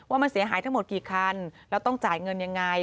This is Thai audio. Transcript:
ว่ามันเสียหายทั้งหมดกี่คันแล้วต้องจ่ายเงินยังไง